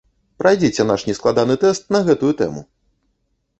Прайдзіце наш нескладаны тэст на гэтую тэму!